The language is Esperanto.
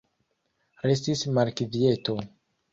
Restis malkvieto.